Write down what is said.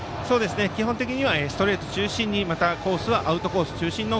基本的にはストレート中心にコースはアウトコース